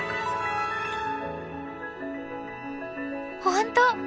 本当！